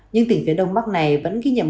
nhưng tỉnh phía đông bắc này vẫn ghi nhận